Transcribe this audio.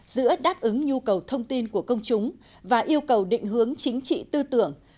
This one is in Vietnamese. giữa đáp ứng nhu cầu thông tin của công chúng và yêu cầu định hướng chính trị tư tưởng